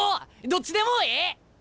どっちでもええ！